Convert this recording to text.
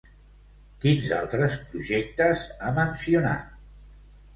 Quins altres projectes ha mencionat?